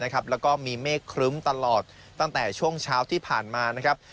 แล้วก็มีเมฆครึ้มตลอดตั้งแต่ช่วงเช้าที่ผ่านมานะครับ